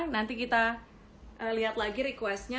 nanti kita lihat lagi requestnya